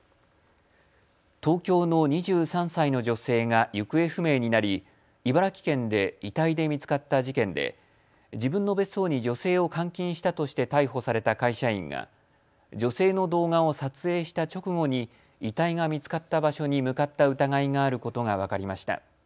東京の２３歳の女性が行方不明になり茨城県で遺体で見つかった事件で、自分の別荘に女性を監禁したとして逮捕された会社員が女性の動画を撮影した直後に遺体が見つかった場所に向かった疑いがあることが分かりました。